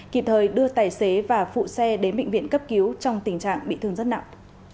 kịp thời đưa tài xế và phụ xe đến bệnh viện cấp cứu trong tình trạng bị thương rất nặng